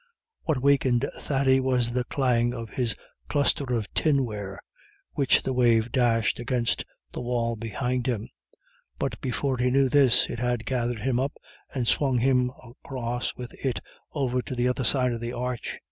What wakened Thady was the clang of his cluster of tinware, which the wave dashed against the wall behind him. But before he knew this, it had gathered him up and swung him across with it over to the other side of the arch.